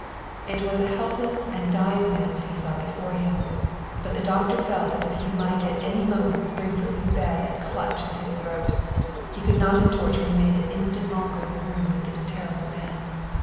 It was a help less and dying man that he saw before him, but the doctor felt as if he might at any moment spring from his bed and clutch at his throat. He could not endure to remain an instant longer in the room with this terrible man.